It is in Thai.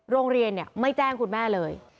โรงเรียนไม่แจ้งคุณแม่เลย